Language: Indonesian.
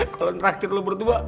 kalo ngerakir lo berdua